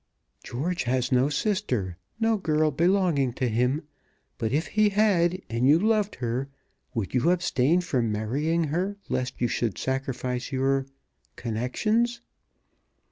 "George has no sister, no girl belonging to him; but if he had, and you loved her, would you abstain from marrying her lest you should sacrifice your connections?"